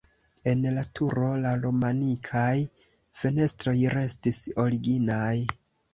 En la turo la romanikaj fenestroj restis originaj.